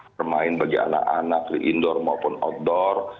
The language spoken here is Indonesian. bermain bagi anak anak di indoor maupun outdoor